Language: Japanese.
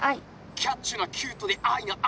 キャッチュなキュートでアイがアイ！